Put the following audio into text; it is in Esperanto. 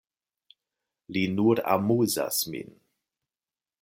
Li nur amuzas min.